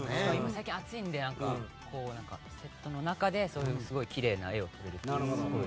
最近暑いのでセットの中ですごくきれいな画を撮れるのはいいですね。